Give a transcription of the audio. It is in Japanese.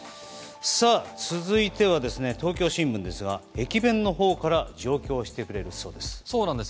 続いては東京新聞ですが駅弁のほうから上京してくれるそうです。